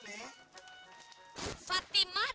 tapi kemarin masih tinggal di sini